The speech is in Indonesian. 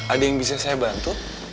ada yang bisa saya bantu